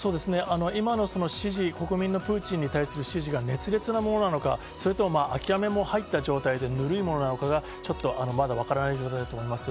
今の支持、国民のプーチンに対する支持が熱烈なものなのか、それとも諦めも入った状態でぬるいものなのかが、ちょっとまだわからない状態だと思います。